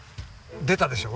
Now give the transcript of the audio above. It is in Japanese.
出たでしょ？